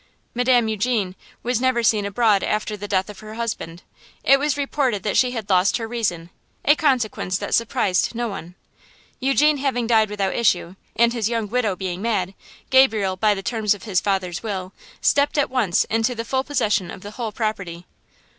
Madame Eugene was never seen abroad after the death of her husband. It was reported that she had lost her reason, a consequence that surprised no one. Eugene having died without issue, and his young widow being mad, Gabriel, by the terms of his father's will, stepped at once into the full possession of the whole property.